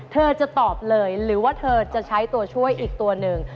เธอจะตอบเลยหรือว่าเธอจะใช้ตัวช่วยอีกตัวหนึ่ง